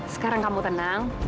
sekarang kamu tenang